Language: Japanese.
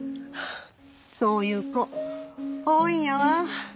そういう子多いんやわ。